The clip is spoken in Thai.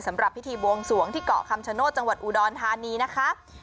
สำหรับพิธีบวงสวงที่เกาะคำชโนธจังหวัดอุดรธานีนะคะ